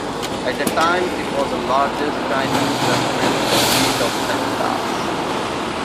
At the time it was the largest Chinese restaurant in the state of Texas.